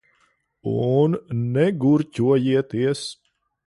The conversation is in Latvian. Un negurķojieties.